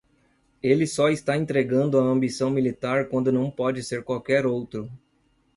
Ele só está entregando a ambição militar quando não pode ser qualquer outro.